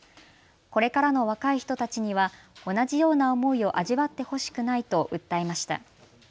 これからの若い人たちには同じような思いを味わってほしくないと訴えました。